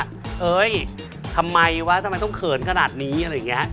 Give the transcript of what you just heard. เฮ้ยทำไมวะทำไมต้องเขินขนาดนี้อะไรอย่างนี้ฮะ